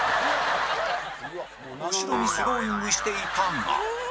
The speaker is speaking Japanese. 「」後ろにスローイングしていたが